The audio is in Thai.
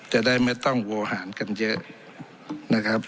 จะได้ไม่ต้องโวหารกันเยอะนะครับ